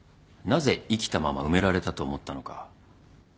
なぜ生きたまま埋められたと思ったのか。